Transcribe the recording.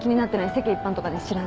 世間一般とかね知らない。